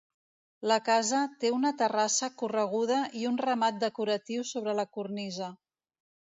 La casa té una terrassa correguda i un remat decoratiu sobre la cornisa.